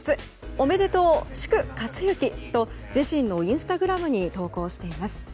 おめでとう、祝且行！と自身のインスタグラムに投稿しています。